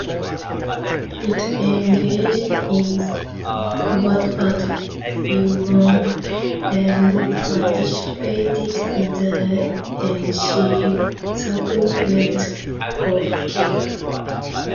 It engaged in combat at Uman and participated in the encirclement of Kiev.